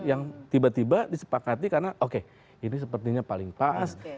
yang tiba tiba disepakati karena oke ini sepertinya paling pas